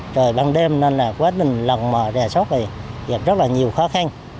trời ban đêm nên là quá trình lòng rè sốt thì gặp rất là nhiều khó khăn